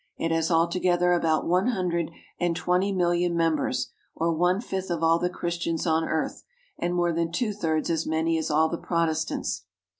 It has altogether about one hundred and twenty million members, or one fifth of all the Christians on earth, and more than two thirds as many as all the Protestants.